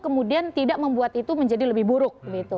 kemudian tidak membuat itu menjadi lebih buruk